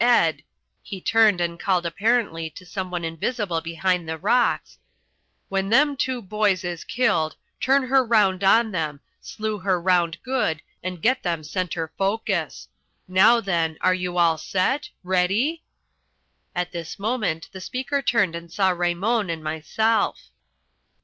Ed" he turned and called apparently to some one invisible behind the rocks "when them two boys is killed, turn her round on them, slew her round good and get them centre focus. Now then, are you all set? Ready?" At this moment the speaker turned and saw Raymon and myself.